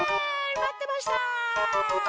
まってました！